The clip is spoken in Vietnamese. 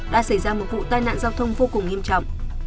đã xảy ra một vụ tai nạn giao thông vô cùng nghiêm trọng